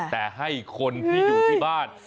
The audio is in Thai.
แต่ให้คนที่อยู่ที่บ้าน